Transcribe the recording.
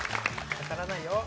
わからないよ。